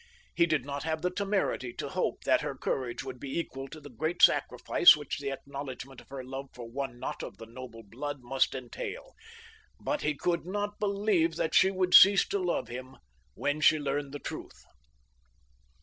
He did not have the temerity to hope that her courage would be equal to the great sacrifice which the acknowledgment of her love for one not of noble blood must entail; but he could not believe that she would cease to love him when she learned the truth.